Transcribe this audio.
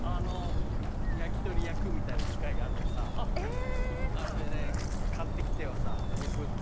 焼き鳥焼くみたいな機械があってさあれでね買ってきてはさ肉串刺してさ。